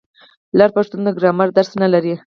لر پښتون د ګرامر درس نه لري.